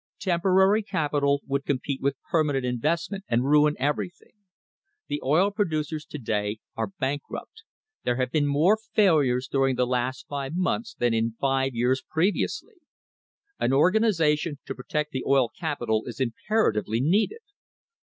Temporary capital would compete with permanent investment and ruin everything. The oil producers to day are bankrupt. There have been more failures during the last five months than in five years previously. An organi sation to protect the oil capital is imperatively needed.